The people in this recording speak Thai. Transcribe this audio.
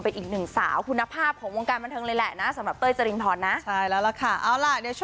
เป็นอีกหนึ่งสาวคุณภาพของวงการบันเทิงเลยแหละนะสำหรับเต้ยจรินพรนะใช่แล้วล่ะค่ะเอาล่ะเดี๋ยวช่วง